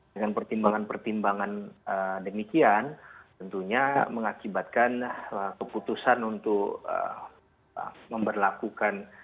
dengan pertimbangan pertimbangan demikian tentunya mengakibatkan keputusan untuk memperlakukan